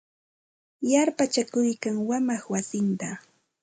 Yarpachakuykan wamaq wasinta.